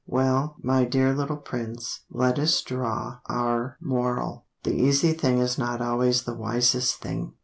Well, my dear little Prince, Let us draw our moral. The easy thing is not always the wisest thing.